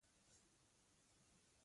ترموز د ارمانونو تود ساتونکی دی.